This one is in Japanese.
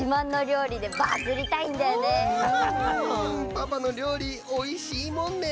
パパのりょうりおいしいもんね！